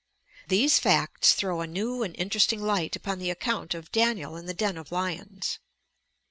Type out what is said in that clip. These facts throw a new and interesting light upon the account of "Daniel in the den of lions."